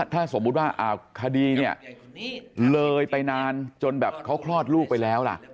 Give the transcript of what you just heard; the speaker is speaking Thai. ถ้าสมมุติว่าคดีเนี่ยเลยไปนานจนแบบเขาคลอดลูกไปแล้วล่ะ